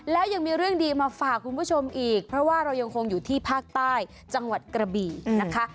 แล้วยังมีเรื่องดีมาฝากคุณผู้ชมอีกเพราะว่าเรายังคงอยู่ที่ภาคใต้จังหวัดกระบี่นะคะ